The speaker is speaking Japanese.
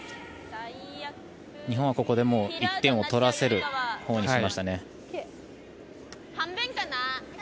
日本はここでもう１点を取らせるほうにしましたね。